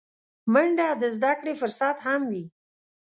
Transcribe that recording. منډه د زدهکړې فرصت هم وي